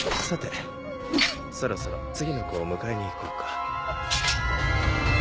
さてそろそろ次の子を迎えに行こうか。